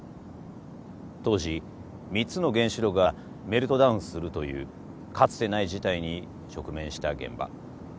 当時３つの原子炉がメルトダウンするというかつてない事態に直面した現場。